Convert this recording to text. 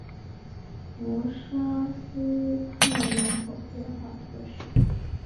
博沙斯泰人口变化图示